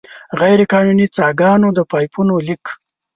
غیرقانوني څاګانو، د پایپونو لیک.